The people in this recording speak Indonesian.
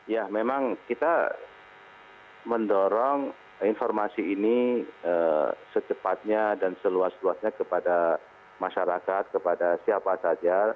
ya memang kita mendorong informasi ini secepatnya dan seluas luasnya kepada masyarakat kepada siapa saja